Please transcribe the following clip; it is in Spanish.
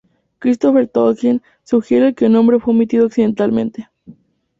Christopher Tolkien sugiere que el nombre fue omitido accidentalmente.